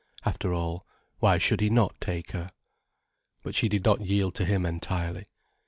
After all, why should he not take her? But she did not yield to him entirely.